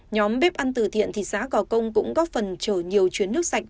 nhóm bếp ăn từ thiện thị xã gò công cũng góp phần chở nhiều chuyến nước sạch